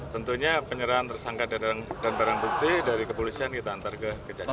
tentunya penyerahan tersangka dan berabukti dari kepolisian kita antar ke kejaksana